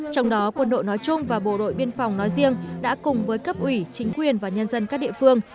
trong đó quân đội nói chung và bộ đội biên phòng nói riêng đã cùng với cấp ủy chính quyền và nhân dân các địa phương